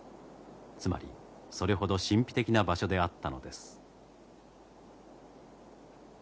つまりそれほど神秘的な場所であったのです。